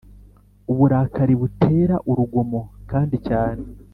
uburakari butera urugomo kandi cyane